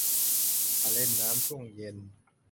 มาเล่นน้ำช่วงเย็น